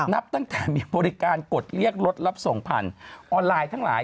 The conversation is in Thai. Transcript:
นับตั้งแต่มีบริการกดเรียกรถรับส่งผ่านออนไลน์ทั้งหลาย